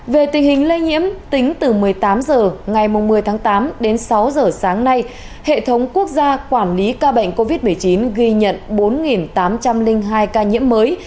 về tình hình lây nhiễm tính từ một mươi tám h ngày một mươi tháng tám đến sáu giờ sáng nay hệ thống quốc gia quản lý ca bệnh covid một mươi chín ghi nhận bốn tám trăm linh hai ca nhiễm mới